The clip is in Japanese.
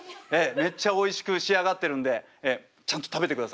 めっちゃおいしく仕上がってるんでちゃんと食べてくださいね。